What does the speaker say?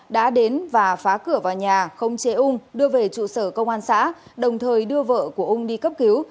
đã đến và phá cửa vào nhà không chế ung đưa về trụ sở công an xã đồng thời đưa vợ của ung đi cấp cứu